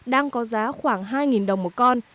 đang có giá khoảng hai đồng một con